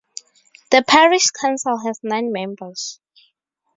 The parish council has nine members.